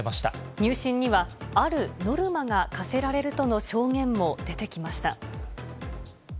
入信にはあるノルマが課せられるとの証言も出てきました。